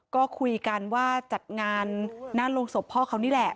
ก็คุยกันว่าจัดงานหน้าโรงศพพ่อเขานี่แหละ